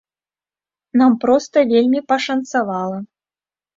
Нам проста вельмі пашанцавала.